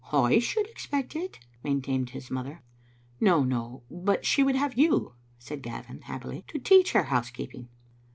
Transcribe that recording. " I should expect it," maintained his mother. "No, no; but she would have you," said Gavin, hap pily, "to teach her housekeeping."